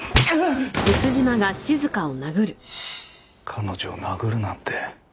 彼女を殴るなんて。